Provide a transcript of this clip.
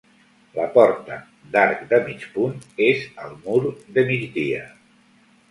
La porta, d'arc de mig punt, és al mur de migdia.